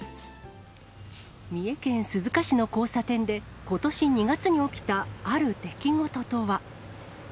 三重県鈴鹿市の交差点で、ことし２月に起きた、ある出来事とは。